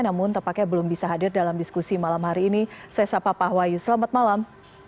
namun tepatnya belum bisa hadir dalam diskusi malam hari ini saya sapa pak wahyu selamat malam